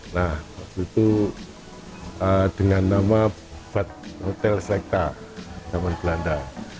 nah waktu itu dengan nama hotel selekta zaman belanda